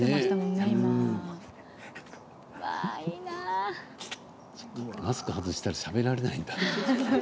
そうかマスク外したらしゃべれないんだ。